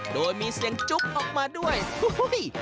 โดยมีเสียงจุ๊บออกมาด้วยอุ้ย